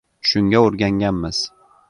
Shunga o‘rganganmiz.